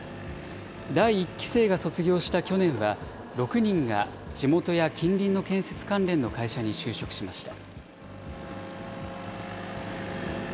第１期生が卒業した去年は、６人が地元や近隣の建設関連の会社に就職しました。